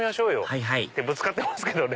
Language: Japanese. はいはいぶつかってますけどね